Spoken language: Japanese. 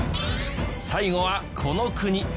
最後はこの国。